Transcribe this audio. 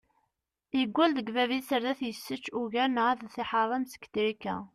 Yeggul deg bab-is ar ad t-issečč ugar neɣ ad t-iḥeṛṛem seg trika.